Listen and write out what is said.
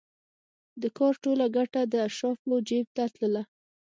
د کار ټوله ګټه د اشرافو جېب ته تلله.